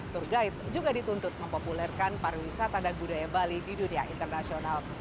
tour guide juga dituntut mempopulerkan pariwisata dan budaya bali di dunia internasional